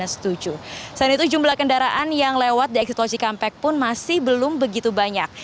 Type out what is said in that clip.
selain itu jumlah kendaraan yang lewat di eksitologi kampek pun masih belum begitu banyak